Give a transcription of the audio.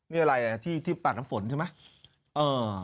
เนี่ยอะไรน่ะที่ที่ปากน้ำฝนใช่ไหมอ่อ